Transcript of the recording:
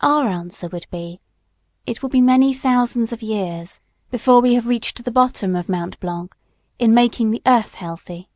Our answer would be, it will be many thousands of years before we have reached the bottom of Mount Blanc in making the earth healthy.